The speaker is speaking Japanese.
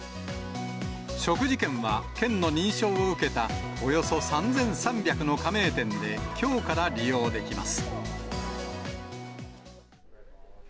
食事券は県の認証を受けたおよそ３３００の加盟店で、きょうから利用できます。